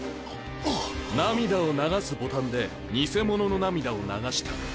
涙を流すボタンで偽物の涙を流した。